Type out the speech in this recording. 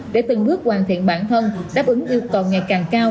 để từng bước hoàn thiện bản thân đáp ứng yêu cầu ngày càng cao